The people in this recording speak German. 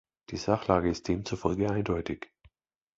Die Sachlage ist demzufolge eindeutig.